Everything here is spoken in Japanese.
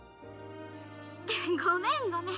ってごめんごめん。